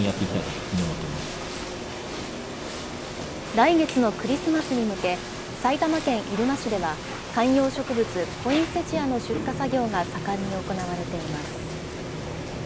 来月のクリスマスに向け、埼玉県入間市では、観葉植物、ポインセチアの出荷作業が盛んに行われています。